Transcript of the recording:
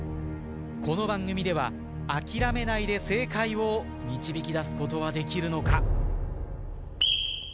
この番組では諦めないで正解を導き出すことはできるのか。